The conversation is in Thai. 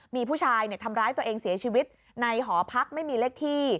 มีผู้ชายทำร้ายตัวเองเสียชีวิตในหอพักไม่มีเลขที่